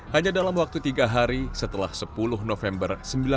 hanya dalam waktu tiga hari setelah sepuluh november seribu sembilan ratus empat puluh